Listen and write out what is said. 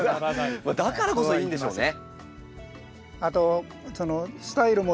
だからこそいいんでしょうね。